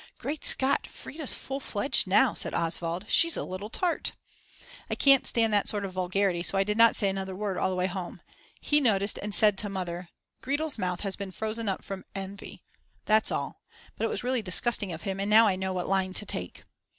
"Great Scott, Frieda's full fledged now," said Oswald, "she's a little tart." I can't stand that sort of vulgarity so I did not say another word all the way home. He noticed and said to Mother: "Gretl's mouth has been frozen up from envy." That's all. But it was really disgusting of him and now I know what line to take.